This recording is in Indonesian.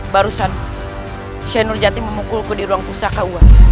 barusan syainur jati memukulku di ruang pusaka uwan